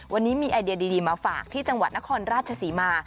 วันนี้มีไอเดียดีมาฝากที่จังหวัดนครราชศรีมา